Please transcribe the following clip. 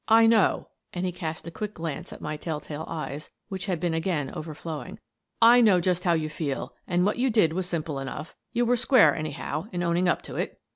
" I know "— and he cast a quick glance at my telltale eyes, which had been again overflowing — "I know just how you feel, and what you did was simple enough. You were square, anyhow, in owning up to it."